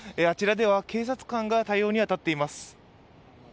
あちらでは、警察官が対応に当たっています。